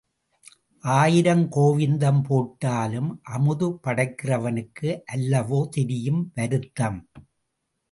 ஆயிரம் கோவிந்தம் போட்டாலும் அமுது படைக்கிறவனுக்கு அல்லவோ தெரியும் வருத்தம்?